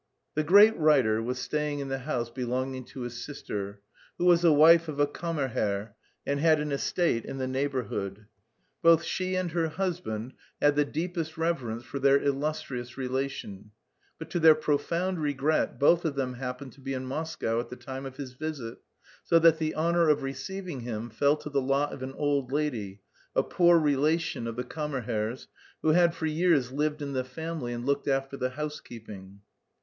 The great writer was staying in the house belonging to his sister, who was the wife of a kammerherr and had an estate in the neighbourhood. Both she and her husband had the deepest reverence for their illustrious relation, but to their profound regret both of them happened to be in Moscow at the time of his visit, so that the honour of receiving him fell to the lot of an old lady, a poor relation of the kammerherr's, who had for years lived in the family and looked after the housekeeping.